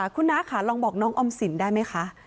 คุณน้าค่ะลองบอกน้องออมสินได้ไหมคะ